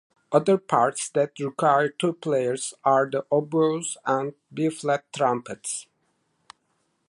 Other parts that require two players are the oboes and B-flat trumpets.